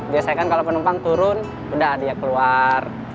biasanya kan kalau penumpang turun udah dia keluar